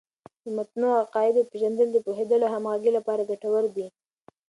د متنوع عقایدو پیژندل د پوهیدلو او همغږۍ لپاره ګټور دی.